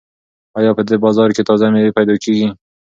ایا په دې بازار کې تازه مېوې پیدا کیږي؟